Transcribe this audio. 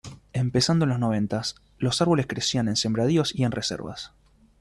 Empezando en los noventas los árboles crecían en sembradíos y en reservas.